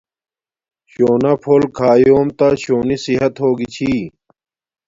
شونا پھول کھایوم تا شونی صحت ہوگی چھی